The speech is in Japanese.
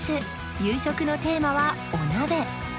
夕食のテーマは「お鍋」